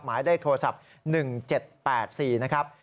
หมายเลขโทรศัพท์๑๗๘๔นะครับ